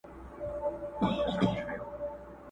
څوك به اوري كرامت د دروېشانو،